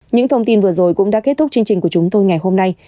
những thông tin vừa rồi cũng đã kết thúc chương trình của chúng tôi ngày hôm nay